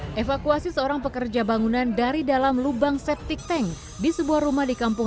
hai evakuasi seorang pekerja bangunan dari dalam lubang septic tank di sebuah rumah di kampung